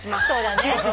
そうだね。